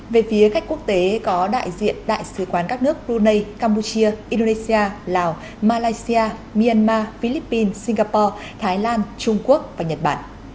về phía khách quốc tế có đại diện đại sứ quán các nước brunei campuchia indonesia lào malaysia myanmar philippines singapore thái lan trung quốc và nhật bản